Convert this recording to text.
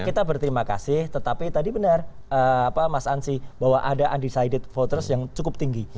kita berterima kasih tetapi tadi benar mas ansy bahwa ada undecided voters yang cukup tinggi